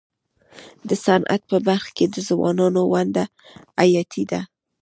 د صنعت په برخه کي د ځوانانو ونډه حیاتي ده.